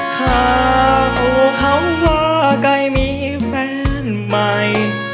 ข่าวเขาว่าใกล้มีแฟนใหม่